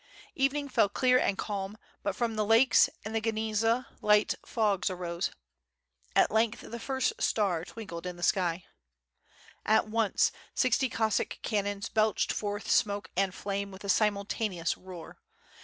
livening fell clear and calm; but from the lakes and the Gniezna light fogs arose — ^at length the first star twinkled in the sky. At once sixty Cossack cannons belched forth smoke and flame with a simultaneous roar.